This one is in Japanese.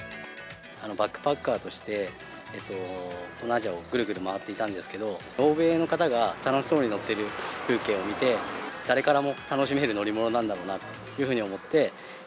バックパッカーとして、東南アジアをぐるぐる回っていたんですけど、欧米の方々が楽しそうに乗ってる風景を見て、誰からも楽しめる乗り物なんだろうなというふうに思って。